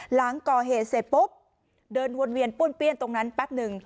หลังก่อเหตุเสร็จปุ๊บเดินวนเวียนป้วนเปี้ยนตรงนั้นแป๊บหนึ่ง